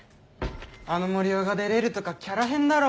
あの森生がデレるとかキャラ変だろ。